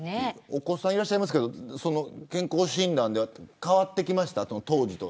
お子さんいらっしゃいますけど健康診断、変わってきましたか当時と。